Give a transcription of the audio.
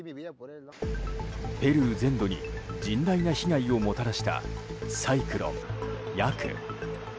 ペルー全土に甚大な被害をもたらしたサイクロン、ヤク。